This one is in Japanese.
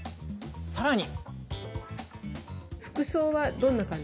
さらに。